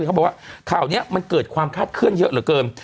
เขาบอกว่าข่าวนี้มันเกิดความคาดเคลื่อนเยอะเหลือเกิน